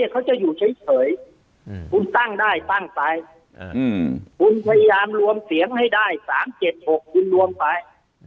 คุณพยายามรวมเสียงให้ได้๓๗๖คุณรวมไป